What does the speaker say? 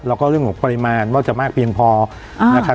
แล้วก็เรื่องของปริมาณว่าจะมากเพียงพอนะครับ